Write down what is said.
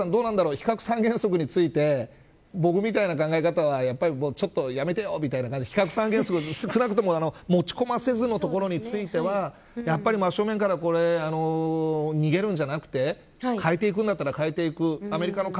あとは、咲楽さんなんだろ、非核三原則について僕みたいな考え方はちょっとやめてみたいな感じ少なくても持ち込ませずのところについてはやっぱり、真正面から逃げるんじゃなくて変えていくんだったら変えていく。